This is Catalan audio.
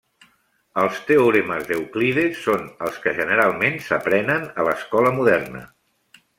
Els teoremes d'Euclides són els que generalment s'aprenen a l'escola moderna.